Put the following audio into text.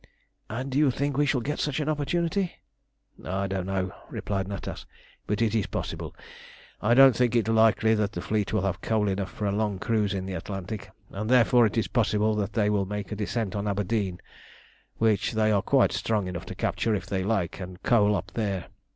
"And do you think we shall get such an opportunity?" "I don't know," replied Natas. "But it is possible. I don't think it likely that the fleet will have coal enough for a long cruise in the Atlantic, and therefore it is possible that they will make a descent on Aberdeen, which they are quite strong enough to capture if they like, and coal up there.